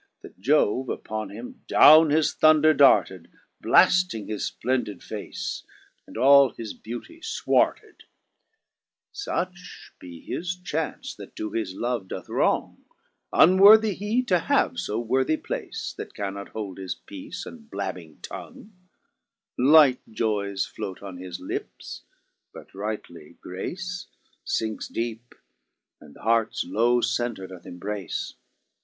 That Jove upon him downe his thunder darted, Blafting his Q>lendent face, and all his beauty fwarted. Digitized by Google 29a BRITTAIN'S IDA. 10. Such be his chance that to his love doth wrong ; Unworthy he to have fo worthy place. That cannot hold his peace and blabbing tongue ; Light joyes float on his lips, but rightly grace Sinckes deepe, and th' heart's low center doth imbrace.